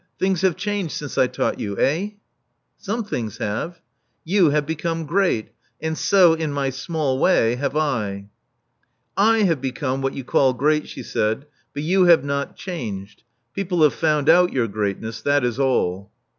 Things have changed since I taught you. Eh?" Some things have. You have become great; and so— in my small way — have I." 7 have become what you call great," she said. But you have not changed. People have found out your greatness, that is all."